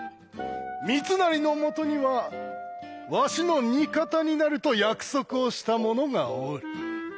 三成のもとにはわしの味方になると約束をした者がおる。